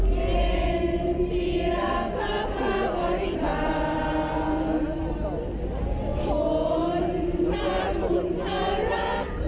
เพราะวันดานข้าจะทรงใจ